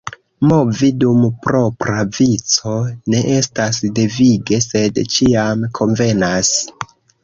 Movi dum propra vico ne estas devige, sed ĉiam konvenas.